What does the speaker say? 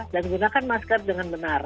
dan gunakan masker dengan benar